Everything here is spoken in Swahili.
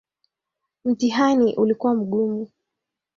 Mtihani ulikuwa mgumu.